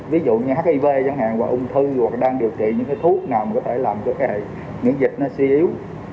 ví dụ như hiv chẳng hạn và ung thư hoặc đang điều trị những thuốc nào mà có thể làm cho miễn dịch suy yếu